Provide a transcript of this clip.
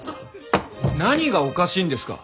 何がおかしいんですか！